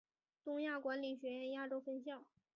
东亚管理学院亚洲分校。